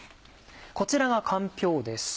こちらがかんぴょうです。